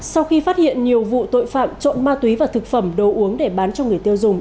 sau khi phát hiện nhiều vụ tội phạm trộm ma túy và thực phẩm đồ uống để bán cho người tiêu dùng